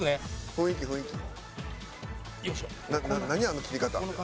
あの切り方。